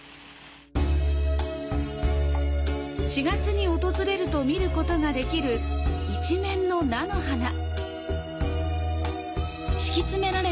４月に訪れると見ることができる一面の菜の花。